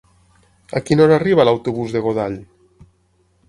A quina hora arriba l'autobús de Godall?